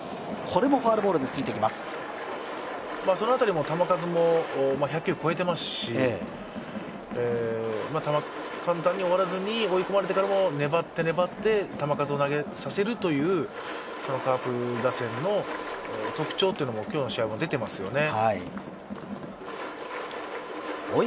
その辺り、球数も１００球を超えていますし、簡単に終わらずに追い込まれてからも粘って粘って球数を投げさせるというカープ打線の特徴というのも今日の試合も出てますよね。